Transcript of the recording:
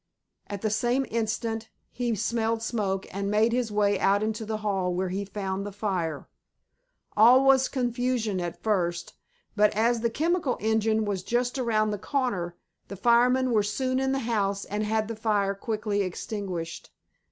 At the same instant he smelled smoke and made his way out into the hall where he found the fire. All was confusion at first, but as the chemical engine was just around the corner, the firemen were soon in the house and had the fire quickly extinguished.